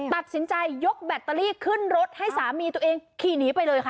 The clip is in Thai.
ตัดสินใจยกแบตเตอรี่ขึ้นรถให้สามีตัวเองขี่หนีไปเลยค่ะ